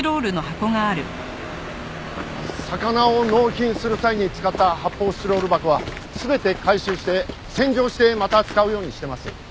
魚を納品する際に使った発泡スチロール箱は全て回収して洗浄してまた使うようにしてます。